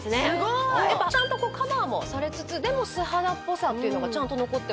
ちゃんとカバーもされつつでも素肌っぽさというのがちゃんと残ってます。